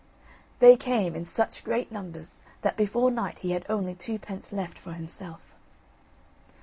They came, in such great numbers that before night he had only twopence left for himself.